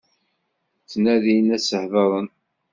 Ttnadin ad s-hedṛen.